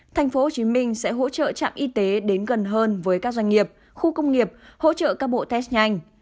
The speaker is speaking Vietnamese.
thành phố hồ chí minh sẽ hỗ trợ trạm y tế đến gần hơn với các doanh nghiệp khu công nghiệp hỗ trợ các bộ test nhanh